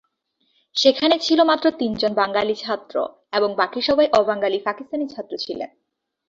সেখানে ছিল মাত্র তিনজন বাঙালি ছাত্র এবং বাকি সবাই অবাঙালি পাকিস্তানি ছাত্র ছিলেন।